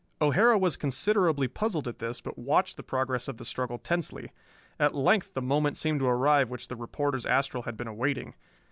O'Hara was considerably puzzled at this, but watched the progress of the struggle tensely. At length the moment seemed to arrive which the reporter's astral had been awaiting.